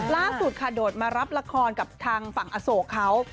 ล่าสุดค่ะโดดมารับละครกับทางฝั่งอโศกเขา